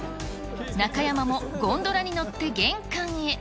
中山もゴンドラに乗って玄関へ。